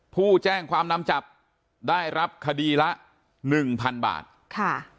๒ผู้แจ้งความนำจับได้รับคดีละ๑๐๐๐บาท